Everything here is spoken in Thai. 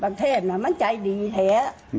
บักเทพมันใจดีแท้